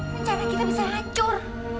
kenapa kita bisa hancur